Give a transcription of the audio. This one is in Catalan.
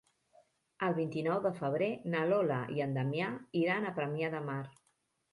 El vint-i-nou de febrer na Lola i en Damià iran a Premià de Mar.